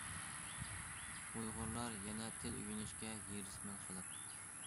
ئۇيغۇرلار يەنە تىل ئۆگىنىشكە ھېرىسمەن خەلق.